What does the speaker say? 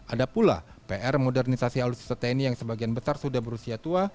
ada pula pr modernisasi alutsista tni yang sebagian besar sudah berusia tua